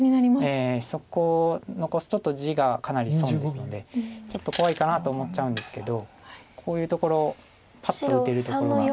そこ残すと地がかなり損ですのでちょっと怖いかなと思っちゃうんですけどこういうところパッと打てるところが。